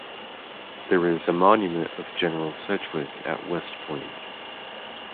There is a monument of General Sedgwick at West Point.